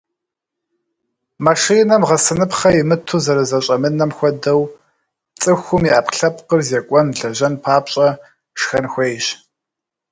Машинэм гъэсыныпхъэ имыту зэрызэщӏэмынэм хуэдэу, цӏыхум и ӏэпкълъэпкъыр зекӏуэн, лэжьэн папщӏэ, шхэн хуейщ.